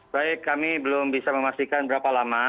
baik kami belum bisa memastikan berapa lama